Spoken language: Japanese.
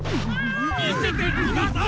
みせてください！